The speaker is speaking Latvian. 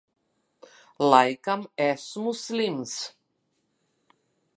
Laikam esmu slims.